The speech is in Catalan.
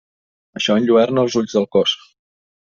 Això enlluerna els ulls del cos.